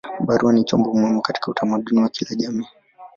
Barua ni chombo muhimu katika utamaduni wa kila jamii.